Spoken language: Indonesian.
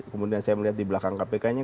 kemudian saya melihat di belakang kpknya